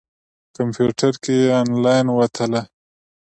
کمپیوټر کې یې انلاین وتله.